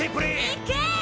いけ！